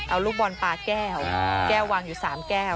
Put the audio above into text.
เอาลูกบอลปลาแก้วแก้ววางอยู่๓แก้ว